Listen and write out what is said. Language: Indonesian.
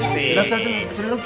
sudah sudah sudah sudah